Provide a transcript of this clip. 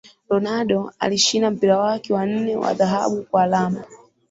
Ronaldo alishinda mpira wake wa nne wa dhahabu kwa alama